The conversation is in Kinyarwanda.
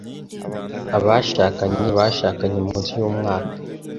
abashakanye bashakanye munsi y'umwuka